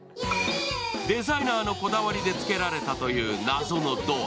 デザイナーのこだわりでつけられたという謎のドア。